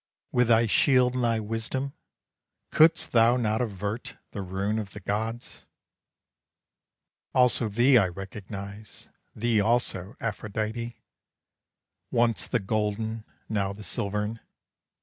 With thy shield and thy wisdom, could'st thou not avert The ruin of the gods? Also thee I recognize, thee also, Aphrodite! Once the golden, now the silvern!